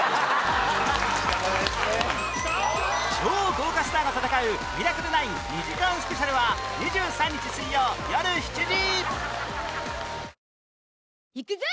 超豪華スターが戦う『ミラクル９』２時間スペシャルは２３日水曜よる７時